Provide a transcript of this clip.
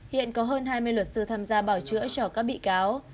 hiện có hơn hai mươi luật sư tham gia bảo chữa cho các bị cáo